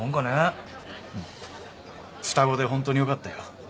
うん双子でホントによかったよ。